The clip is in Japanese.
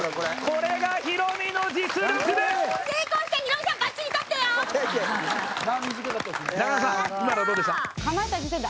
これがヒロミの実力です。